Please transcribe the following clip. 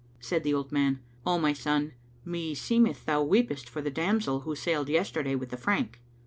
Said the old man, "O my son, meseems thou weepest for the damsel who sailed yesterday with the Frank?"